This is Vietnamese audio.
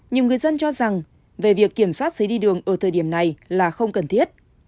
nhiều người dân cho rằng về việc kiểm soát giấy đi đường ở thời điểm này là không cần thiết